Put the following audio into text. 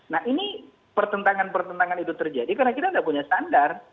nah ini pertentangan pertentangan itu terjadi karena kita tidak punya standar